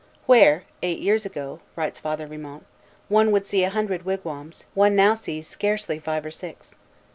"Where, eight years ago," writes Father Vimont, "one would see a hundred wigwams, one now sees scarcely five or six.